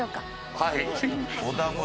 はい。